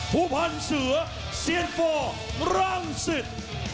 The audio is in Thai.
ภูมิภัณฑ์เสือเซียนฟอร์รองซิต